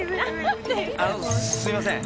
あのすいません。